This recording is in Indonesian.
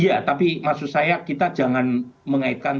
iya tapi maksud saya kita jangan mengaitkan